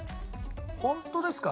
ホントですか？